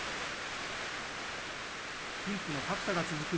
貧富の格差が続く